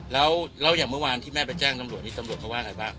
แล้วอย่างเมื่อวานที่แม่ไปจ้างน้ำโหลกนี่น้ำโหลกเขาว่าเงียบป่ะ